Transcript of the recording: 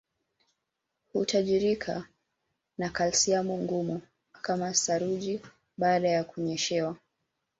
Hutajirika na kalsiamu ngumu kama saruji baada ya kunyeshewa